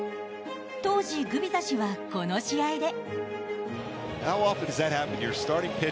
当時、グビザ氏はこの試合で。